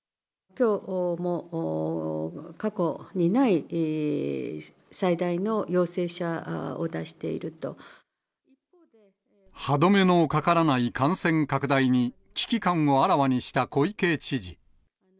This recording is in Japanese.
きょうも過去にない最大の陽歯止めのかからない感染拡大に、危機感をあらわにした小池知事。